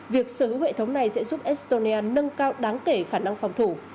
việc sở hữu hệ thống này sẽ giúp estonia nâng cao đáng kể khả năng phòng thủ